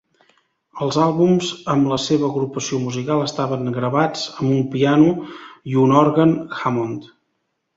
Els àlbums amb la seva agrupació musical estaven gravats amb un piano i un òrgan Hammond.